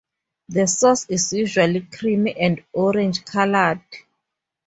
The sauce is usually creamy and orange-coloured.